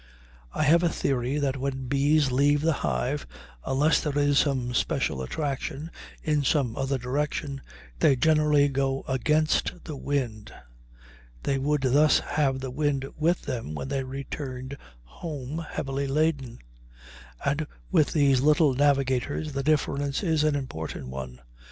I have a theory that when bees leave the hive, unless there is some special attraction in some other direction, they generally go against the wind. They would thus have the wind with them when they returned home heavily laden, and with these little navigators the difference is an important one.